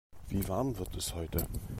Wie warm wird es heute?